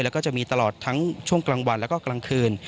และจะมีตลอดทั้งช่วงกลางวันและกลางคืน